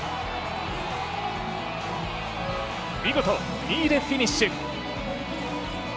見事２位でフィニッシュ。